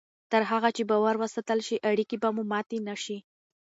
تر هغه چې باور وساتل شي، اړیکې به ماتې نه شي.